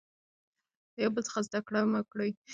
له یو بل څخه زده کړه وکړئ.